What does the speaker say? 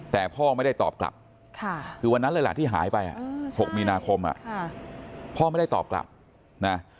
แต่พ่อไม่ได้ตอบกลับคือวันนั้นเลยล่ะที่หายไป๖มีนาคมพ่อไม่ได้ตอบกลับนะ